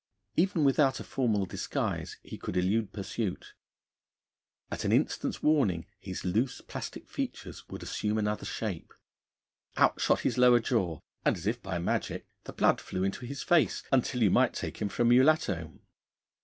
Even without a formal disguise he could elude pursuit. At an instant's warning, his loose, plastic features would assume another shape; out shot his lower jaw, and, as if by magic, the blood flew into his face until you might take him for a mulatto.